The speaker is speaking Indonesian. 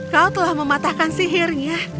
kau telah mematahkan sihirnya